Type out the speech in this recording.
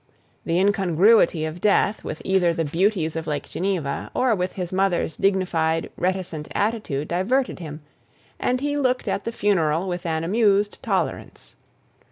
The incongruity of death with either the beauties of Lake Geneva or with his mother's dignified, reticent attitude diverted him, and he looked at the funeral with an amused tolerance.